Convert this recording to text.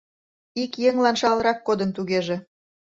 Ик еҥлан шагалрак кодын тугеже.